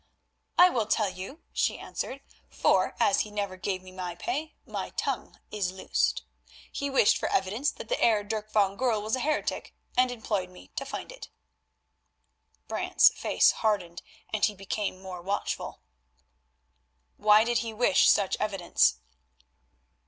"I will tell you," she answered, "for, as he never gave me my pay, my tongue is loosed. He wished for evidence that the Heer Dirk van Goorl was a heretic, and employed me to find it." Brant's face hardened, and he became more watchful. "Why did he wish such evidence?"